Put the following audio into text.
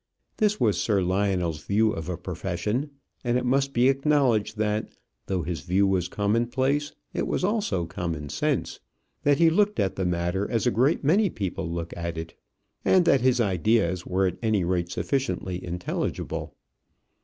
This was Sir Lionel's view of a profession, and it must be acknowledged that, though his view was commonplace, it was also common sense; that he looked at the matter as a great many people look at it; and that his ideas were at any rate sufficiently intelligible.